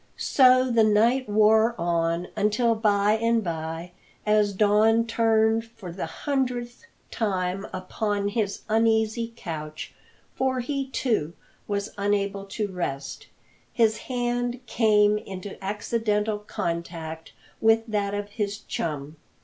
So the night wore on, until by and by, as Don turned for the hundredth time upon his uneasy couch for he, too, was unable to rest his hand came into accidental contact with that of his chum.